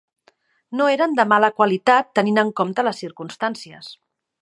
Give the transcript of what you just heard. No eren de mala qualitat tenint en compte les circumstàncies.